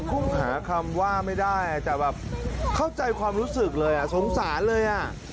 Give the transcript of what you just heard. คุ้มหาคำว่าไม่ได้แต่เข้าใจความรู้สึกเลยสงสัยเลย